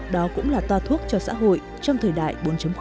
đó cũng là toa thuốc cho xã hội trong thời đại bốn